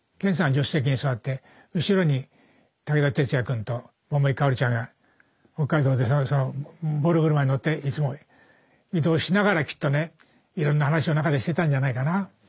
助手席に座って後ろに武田鉄矢君と桃井かおりちゃんが北海道でボロ車に乗っていつも移動しながらきっとねいろんな話を中でしてたんじゃないかな。